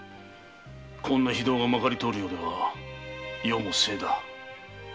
こんな非道がまかりとおるようでは世も末だ。